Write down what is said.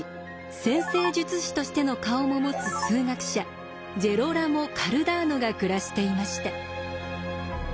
占星術師としての顔も持つ数学者ジェロラモ・カルダーノが暮らしていました。